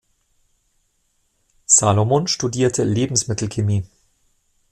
Salomon studierte Lebensmittelchemie.